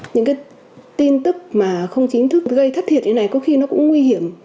những cái tin tức mà không chính thức gây thất thiệt như thế này có khi nó cũng nguy hiểm